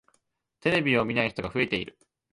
テレビを見ない人が増えている。